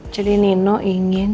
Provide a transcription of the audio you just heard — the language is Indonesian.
jadi nino ingin